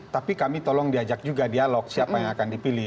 tapi kami tolong diajak juga dialog siapa yang akan dipilih